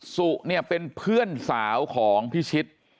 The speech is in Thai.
สุเนี่ยเป็นเพื่อนสาวของพิชิต